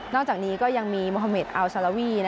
อกจากนี้ก็ยังมีโมฮาเมดอัลซาลาวี